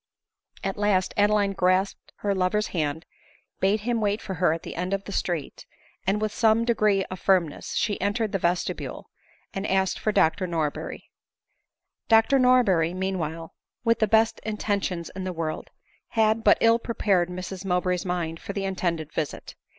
At last Adeline grasped her lover's hand, bade him wait for her at the end of the street, and with some degree of firmness she entered the vestibule, and asked for Dr Norberry. Dr Norberry, meanwhile, with the best intentions in the world, had but ill prepared Mrs Mowbray's mind for the intended visit.